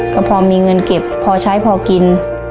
ก็พอมีเงินเก็บพอใช้พอกิน